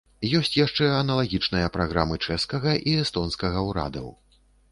Ёсць яшчэ аналагічныя праграмы чэшскага і эстонскага ўрадаў.